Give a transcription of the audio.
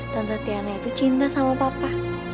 tante tiana itu cinta sama papa